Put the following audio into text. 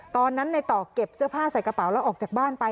ตอนนั้นในต่อเก็บเสื้อผ้าใส่กระเป๋าแล้วออกจากบ้านไป